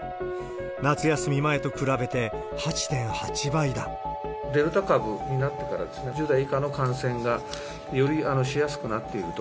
夏休み前と比べて、デルタ株になってから、１０代以下の感染がよりしやすくなっていると。